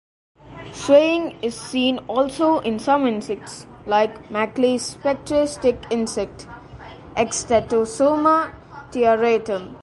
Swaying is seen also in some insects, like Macleay's Spectre stick insect, "Extatosoma tiaratum".